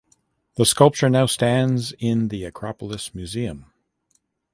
The sculpture now stands in the Akropolis Museum.